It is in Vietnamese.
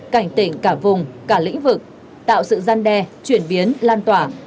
cảnh tỉnh cả vùng cả lĩnh vực tạo sự gian đe chuyển biến lan tỏa